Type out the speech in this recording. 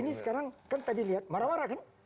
ini sekarang kan tadi lihat marah marah kan